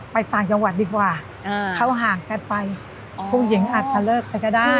ต่างจังหวัดดีกว่าเขาห่างกันไปผู้หญิงอาจจะเลิกไปก็ได้